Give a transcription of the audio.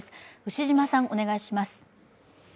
牛島さん、お願いします。